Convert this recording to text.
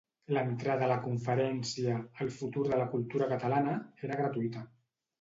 L'entrada a la conferència El futur de la cultura catalana era gratuïta.